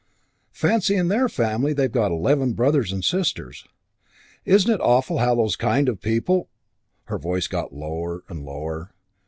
Fancy, in their family they've got eleven brothers and sisters. Isn't it awful how those kind of people " Her voice got lower and lower.